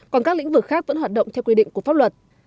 còn các lĩnh vực khác vẫn hoạt động theo quy định của pháp luật